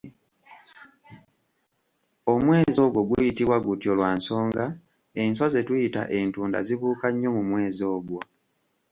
Omwezi ogwo guyitibwa gutyo lwa nsonga, enswa ze tuyita, "Entunda" zibuuka nnyo mu mwezi ogwo.